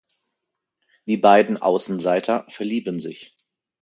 Die beiden Außenseiter verlieben sich.